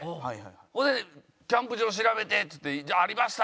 それで「キャンプ場調べて！」っつって「ありました！」